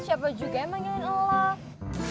siapa juga yang panggilin allah